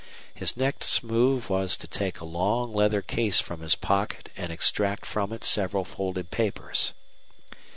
His next move was to take a long leather case from his pocket and extract from it several folded papers.